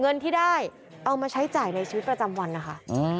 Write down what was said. เงินที่ได้เอามาใช้จ่ายในชีวิตประจำวันนะคะ